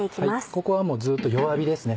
ここはもうずっと弱火ですね